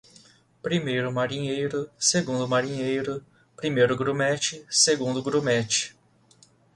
Primeiro-Marinheiro, Segundo-Marinheiro, Primeiro-Grumete, Segundo-Grumete